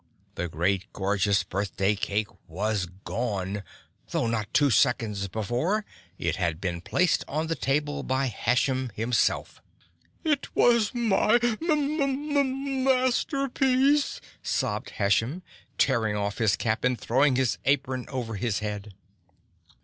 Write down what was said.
The great, gorgeous birthday cake was gone, though not two seconds before it had been placed on the table by Hashem himself. "It was my m m asterpiece," sobbed Hashem, tearing off his cap and throwing his apron over his head.